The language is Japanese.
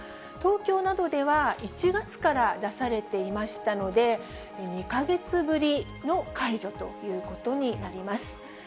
東京などでは１月から出されていましたので、２か月ぶりの解除ということになります。